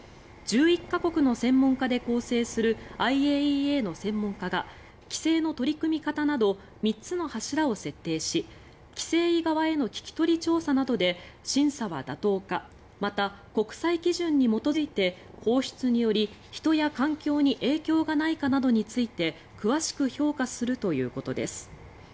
１１か国の専門家で構成するＩＡＥＡの専門家が規制の取り組み方など３つの柱を設定し規制委側への聞き取り調査などで審査は妥当かまた国際基準に基づいて放出により人や環境に影響がないかなどについて詳しく評価するということです。